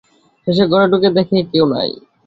শেষে ঘরে ঢুকে দেখে কেউ নেই।